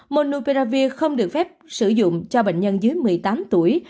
monupravir không được phép sử dụng cho bệnh nhân dưới một mươi tám tuổi